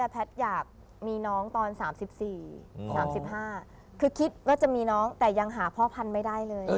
แพทย์อยากมีน้องตอน๓๔๓๕คือคิดว่าจะมีน้องแต่ยังหาพ่อพันธุ์ไม่ได้เลย